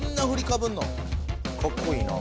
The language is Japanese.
かっこいいな。